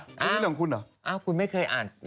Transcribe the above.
อันนี้เรื่องของคุณเหรอคุณไม่เคยอ่าน